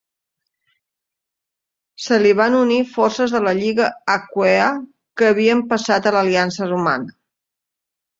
Se li van unir forces de la Lliga Aquea que havien passat a l'aliança romana.